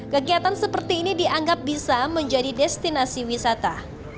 kegiatan seperti ini dianggap bisa menjadi destinasi wisata